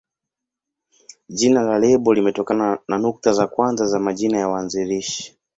Jina la lebo limetokana na nukta za kwanza za majina ya waanzilishi.